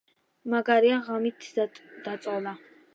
მაგარია ღამით დაწოლა